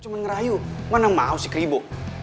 cuma ngerayu mana mau si keribu